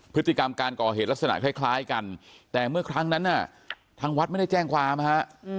พฤติกรรมการก่อเหตุลักษณะคล้ายกันแต่เมื่อครั้งนั้นน่ะทางวัดไม่ได้แจ้งความฮะ